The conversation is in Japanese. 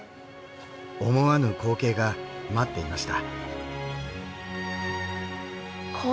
思わぬ光景が待っていました。